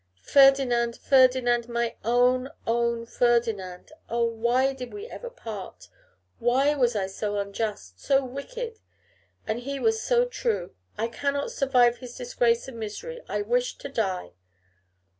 'Ferdinand, Ferdinand, my own, own Ferdinand, oh! why did we ever part? Why was I so unjust, so wicked? And he was true! I cannot survive his disgrace and misery. I wish to die!